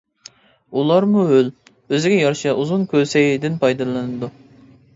ئۇلارمۇ ھۆل، ئۆزىگە يارىشا ئۇزۇن «كۆسەي» دىن پايدىلىنىدۇ.